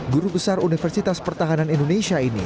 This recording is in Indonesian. guru besar universitas pertahanan indonesia ini